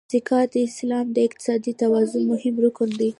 زکات د اسلام د اقتصاد د توازن مهم رکن دی.